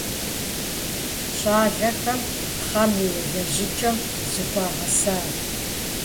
Щӏалэхэм пхъэм и елэжьыкӏэм зыхуагъэсащ.